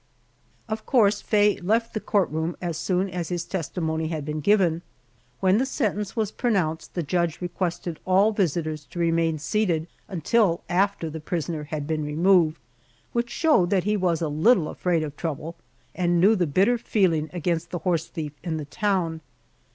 Of course Faye left the court room as soon as his testimony had been given. When the sentence was pronounced the judge requested all visitors to remain seated until after the prisoner had been removed, which showed that he was a little afraid of trouble, and knew the bitter feeling against the horse thief in the town.